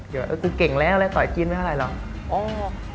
กูเก่งแล้วเลยต่อจีนไม่เท่าไรหรอก